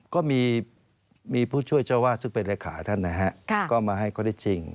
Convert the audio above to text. ก็มีผู้ช่วยเจ้าวาดซึ่งเป็นเลขาท่านนะฮะก็มาให้เขาได้จริง